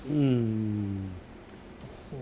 อืม